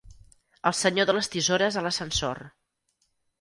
El senyor de les tisores a l'ascensor.